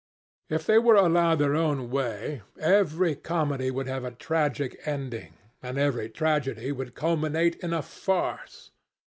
If they were allowed their own way, every comedy would have a tragic ending, and every tragedy would culminate in a farce.